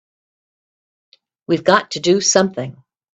We've got to do something!